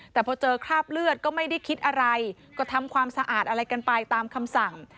แต่พอเจอคราบเลือดก็ไม่ได้คิดอะไรก็ทำความสะอาดอะไรกันไปตามคำสั่ง